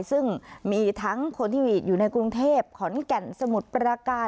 ซึ่งมีทั้งคนที่อยู่ในกรุงเทพขอนแก่นสมุทรประการ